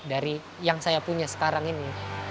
dari yang saya punya sekarang ini